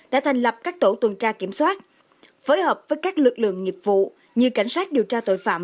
đã thành lập các tổ tuần tra kiểm soát phối hợp với các lực lượng nghiệp vụ như cảnh sát điều tra tội phạm